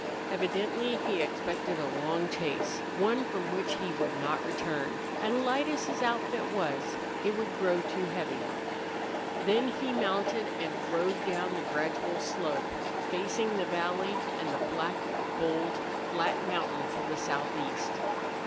Evidently he expected a long chase, one from which he would not return, and light as his outfit was it would grow too heavy. Then he mounted and rode down the gradual slope, facing the valley and the black, bold, flat mountain to the southeast.